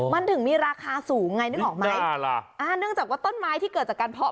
มันถึงมีราคาสูงไงนึกออกไหมอ่าล่ะอ่าเนื่องจากว่าต้นไม้ที่เกิดจากการเพาะ